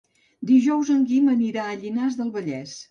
Dijous en Guim anirà a Llinars del Vallès.